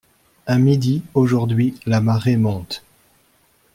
À midi, aujourd’hui, la marée monte.